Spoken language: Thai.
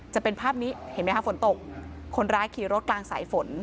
จะเป็นภาพนี้เห็นไหมคะฝนตกคนร้ายขี่รถกลางสายฝน